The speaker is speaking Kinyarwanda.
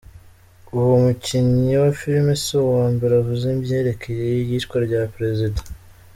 Uwo mukinyi wa film si uwa mbere avuze ivyerekeye iyicwa rya prezida.